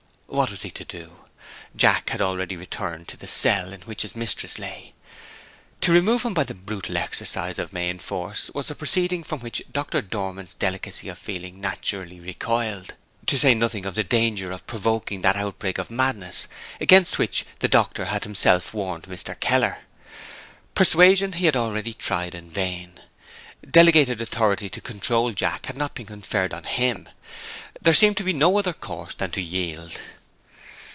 What was he to do? Jack had already returned to the cell in which his mistress lay. To remove him by the brutal exercise of main force was a proceeding from which Doctor Dormann's delicacy of feeling naturally recoiled to say nothing of the danger of provoking that outbreak of madness against which the doctor had himself warned Mr. Keller. Persuasion he had already tried in vain. Delegated authority to control Jack had not been conferred on him. There seemed to be no other course than to yield.